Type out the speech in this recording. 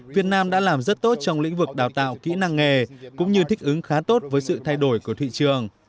việt nam đã làm rất tốt trong lĩnh vực đào tạo kỹ năng nghề cũng như thích ứng khá tốt với sự thay đổi của thị trường